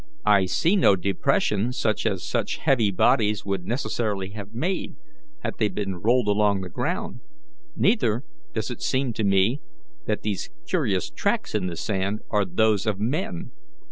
"I see no depression such as such heavy bodies would necessarily have made had they been rolled along the ground, neither does it seem to me that these curious tracks in the sand are those of men."